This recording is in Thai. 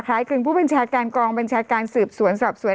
ครึ่งผู้บัญชาการกองบัญชาการสืบสวนสอบสวน